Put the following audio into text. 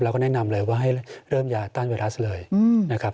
แนะนำเลยว่าให้เริ่มยาต้านไวรัสเลยนะครับ